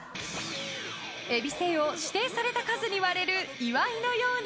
えびせんを指定された数に割れる岩井のように。